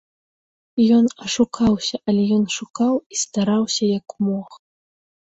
Ён ашукаўся, але ён шукаў і стараўся як мог.